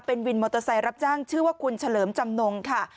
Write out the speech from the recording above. เป็นวินมอเตอร์ไซค์รับจ้างชื่อว่าคุณเฉลิมจำนงค่ะ